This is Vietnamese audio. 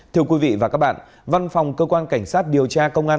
thưa quý vị và các bạn văn phòng cơ quan cảnh sát điều tra công an